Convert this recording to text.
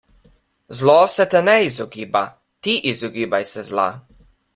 Zlo se te ne izogiba, ti izogibaj se zla.